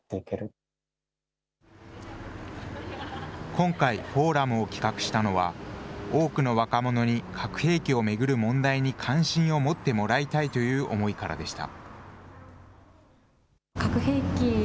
今回、フォーラムを企画したのは、多くの若者に核兵器を巡る問題に関心を持ってもらいたいという思いからでした。